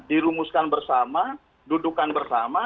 dirumuskan bersama dudukan bersama